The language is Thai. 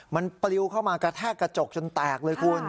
มันปลิวเข้ามากระแทกกระจกจนแตกเลยคุณ